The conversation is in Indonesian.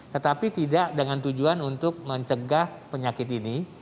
tetapi tidak dengan tujuan untuk mencegah penyakit ini